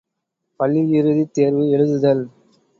● பள்ளியிறுதித் தேர்வு எழுதுதல்.